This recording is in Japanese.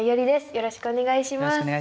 よろしくお願いします。